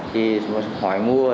khi hỏi mua